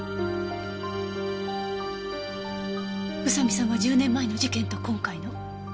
宇佐見さんは１０年前の事件と今回の。